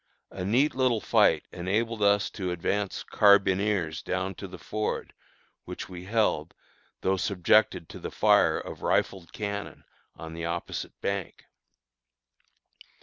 A neat little fight enabled us to advance carbineers down to the ford, which we held, though subjected to the fire of rifled cannon on the opposite bank.